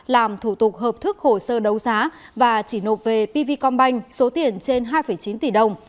làm thủ tục hợp thức hồ sơ đấu giá và chỉ nộp về pv com banh số tiền trên hai chín tỷ đồng